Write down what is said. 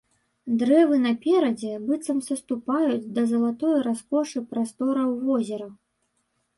Дрэвы наперадзе быццам саступаюць да залатой раскошы прастораў возера.